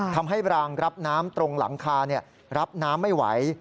ทำให้รางรับน้ำตรงหลังคารับน้ำไม่ไหว